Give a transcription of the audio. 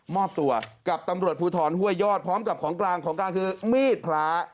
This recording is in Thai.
มอบตัวกับตำรวจภูทรห้วยยอดพร้อมกับของกลางของกลางคือมีดพระ